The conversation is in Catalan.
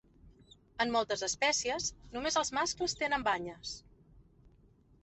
En moltes espècies, només els mascles tenen banyes.